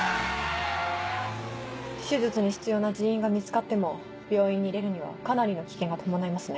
手術に必要な人員が見つかっても病院に入れるにはかなりの危険が伴いますね。